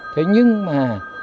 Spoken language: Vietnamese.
thế nhưng mà